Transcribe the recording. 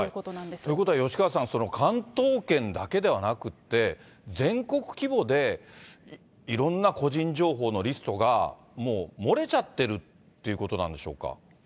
ということは吉川さん、関東圏だけではなくって、全国規模でいろんな個人情報のリストが、もう漏れちゃってるっていうことなんでしょうか。